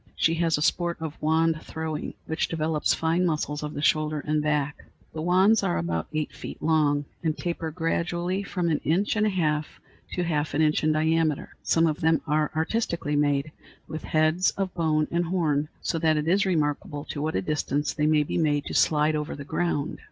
She has a sport of wand throwing, which develops fine muscles of the shoulder and back. The wands are about eight feet long, and taper gradually from an inch and a half to half an inch in diameter. Some of them are artistically made, with heads of bone and horn, so that it is remarkable to what a distance they may be made to slide over the ground.